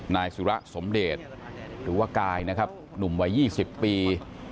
นายสุระสมเดชหรือว่ากายนะครับหนุ่มวัย๒๐ปี